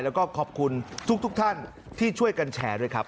แล้วก็ขอบคุณทุกท่านที่ช่วยกันแชร์ด้วยครับ